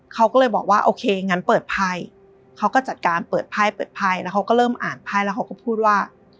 เขาก็เลยบอกว่าโอเคงั้นเปิดไพ่เขาก็จัดการเปิดไพ่เปิดไพ่แล้วเขาก็เริ่มอ่านไพ่แล้วเขาก็พูดว่า